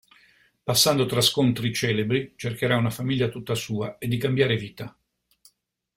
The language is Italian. Passando tra scontri celebri, cercherà una famiglia tutta sua e di cambiare vita.